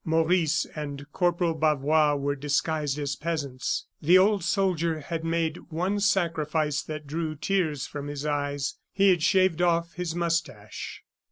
Maurice and Corporal Bavois were disguised as peasants. The old soldier had made one sacrifice that drew tears from his eyes; he had shaved off his mustache.